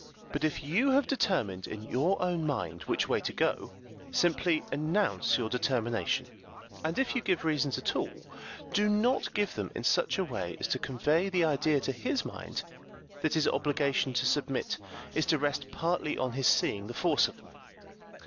But if you have determined in your own mind which way to go, simply announce your determination; and if you give reasons at all, do not give them in such a way as to convey the idea to his mind that his obligation to submit is to rest partly on his seeing the force of them.